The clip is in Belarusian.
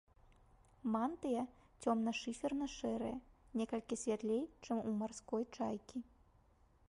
Мантыя цёмна шыферна-шэрая, некалькі святлей, чым у марской чайкі.